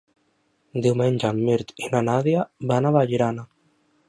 Diumenge en Mirt i na Nàdia van a Vallirana.